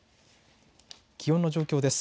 気温の状況です。